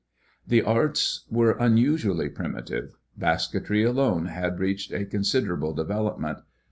The arts were unusually primitive. Basketry alone had reached a considerable development.